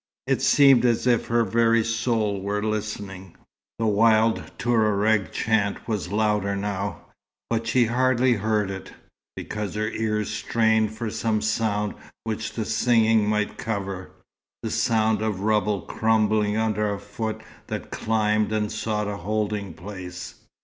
It seemed as if her very soul were listening. The wild Touareg chant was louder now, but she hardly heard it, because her ears strained for some sound which the singing might cover: the sound of rubble crumbling under a foot that climbed and sought a holding place.